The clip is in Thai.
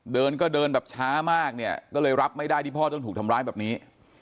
เดินก็เดินแบบช้ามากเนี่ยก็เลยรับไม่ได้ที่พ่อต้องถูกทำร้ายแบบนี้